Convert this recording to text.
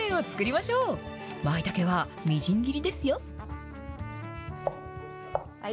まいたけはみじん切りですよ。